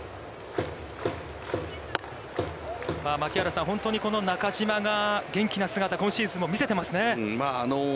槙原さん、本当にこの中島が、元気な姿、今シーズンも見せていますね。